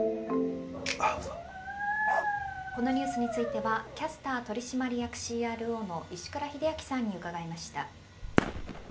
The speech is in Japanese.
このニュースについてはキャスター取締役ＣＲＯの石倉秀明さんに伺いました。